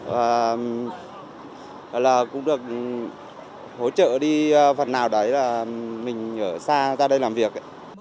và cũng được hỗ trợ đi phần nào đấy là mình ở xa ra đây làm việc